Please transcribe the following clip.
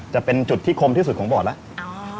จะเป็นจุดที่คมที่สุดของบอดแล้ว